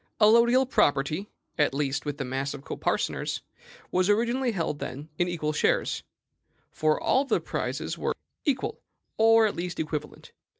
Allodial property, at least with the mass of coparceners, was originally held, then, in equal shares; for all of the prizes were equal, or, at least, equivalent.